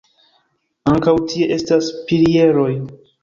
Ankaŭ tie estas pilieroj.